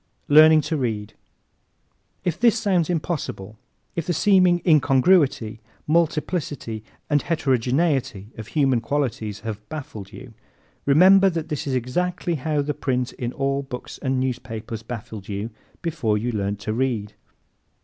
Learning to Read ¶ If this sounds impossible, if the seeming incongruity, multiplicity and heterogeneity of human qualities have baffled you, remember that this is exactly how the print in all books and newspapers baffled you before you learned to read.